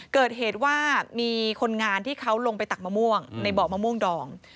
เกิดเหตุว่ามีคนงานที่เขาลงไปตักมะม่วงในเบาะมะม่วงดอง